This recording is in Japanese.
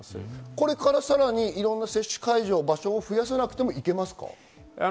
これからさらに接種会場を増やさなくてもいけますか？